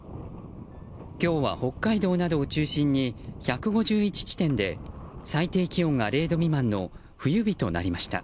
今日は北海道などを中心に１５１地点で最低気温が０度未満の冬日となりました。